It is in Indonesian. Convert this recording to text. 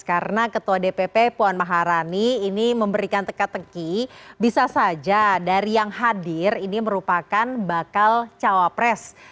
karena ketua dpp puan maharani ini memberikan teka teki bisa saja dari yang hadir ini merupakan bakal cawapres